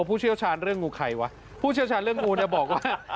ผู้เชี่ยวชาญเรื่องงูใครวะผู้เชี่ยวชาญเรื่องงูเนี่ยบอกว่า